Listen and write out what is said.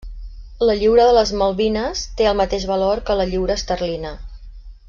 La lliura de les Malvines té el mateix valor que la lliura esterlina.